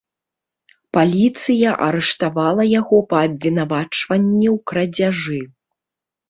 Паліцыя арыштавала яго па абвінавачванні ў крадзяжы.